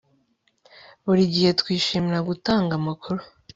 Buri gihe twishimira gutanga amakuru